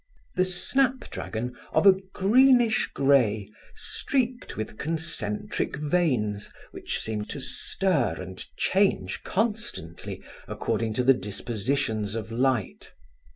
The snap dragon of a greenish grey, streaked with concentric veins which seem to stir and change constantly, according to the dispositions of light.